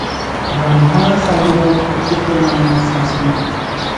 ବ୍ରାହ୍ମଣସାହିର ପ୍ରକୃତ ନାମ ଶାସନ ।